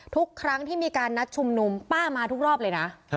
ทุกครั้งที่มีการนัดชุมนุมป้ามาทุกรอบเลยนะ